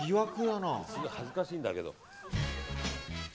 すごい恥ずかしいんだけど。